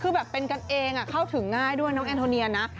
คือแบบเป็นกันเองเข้าถึงง่ายด้วยน้องแอนโทเนียนะ